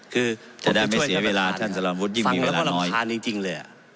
คือจะได้ไม่เสียเวลาท่านสลานวุฒิยิ่งมีเวลาน้อยฟังแล้วว่ารำคาญจริงจริงเลยอ่ะ